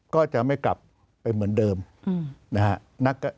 ก็จะไม่กลับไปเหมือนเดิมนะฮะ